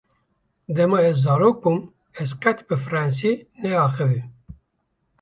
Dema ez zarok bûm ez qet bi fransî neaxivîm.